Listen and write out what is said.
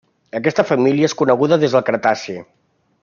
Aquesta família és coneguda des del Cretaci.